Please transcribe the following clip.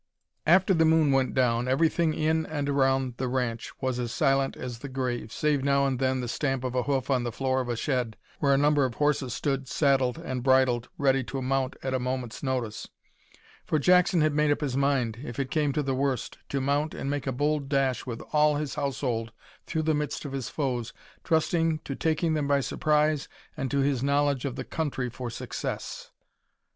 After the moon went down, everything in and around the ranch was as silent as the grave, save now and then the stamp of a hoof on the floor of a shed, where a number of horses stood saddled and bridled ready to mount at a moment's notice; for Jackson had made up his mind, if it came to the worst, to mount and make a bold dash with all his household through the midst of his foes, trusting to taking them by surprise and to his knowledge of the country for success.